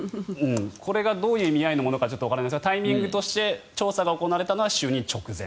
これがどういう意味合いのものかよくわかりませんがタイミングとして調査が行われたのは就任直前。